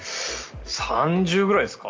３０ぐらいですか？